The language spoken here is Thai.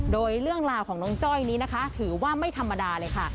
โดยเรื่องราวของน้องจ้อยนี้นะคะถือว่าไม่ธรรมดาเลยค่ะ